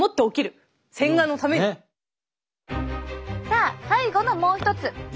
だからさあ最後のもう一つ。